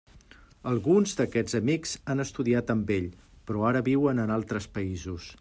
Alguns d'aquests amics han estudiat amb ell, però ara viuen en altres països.